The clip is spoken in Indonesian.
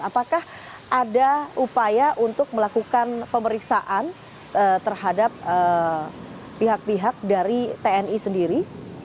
apakah ada upaya untuk melakukan pemeriksaan terhadap pihak pihak dari tni sendiri